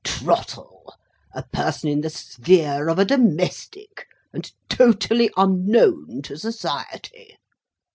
Trottle! A person in the sphere of a domestic, and totally unknown to society!"